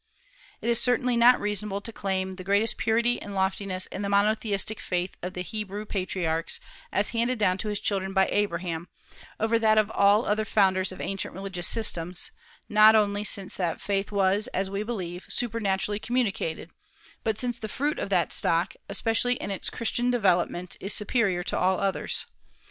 It is certainly not unreasonable to claim the greatest purity and loftiness in the monotheistic faith of the Hebrew patriarchs, as handed down to his children by Abraham, over that of all other founders of ancient religious systems, not only since that faith was, as we believe, supernaturally communicated, but since the fruit of that stock, especially in its Christian development, is superior to all others.